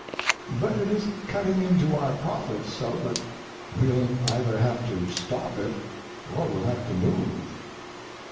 But it is cutting into our profits so that we'll either have to stop it or we'll have to move.